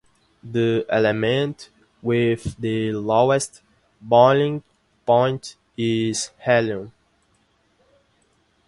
The element with the lowest boiling point is helium.